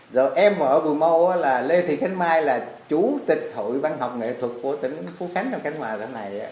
rồi em vợ bùi mâu là lê thị khánh mai là chủ tịch hội văn học nghệ thuật của tỉnh phú khánh trong khách ngoài giảm này